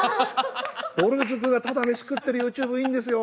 ぼる塾がただ飯食ってるＹｏｕＴｕｂｅいいんですよ。